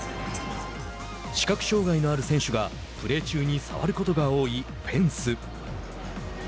視覚障害のある選手がプレー中にさわることが多いフェンス。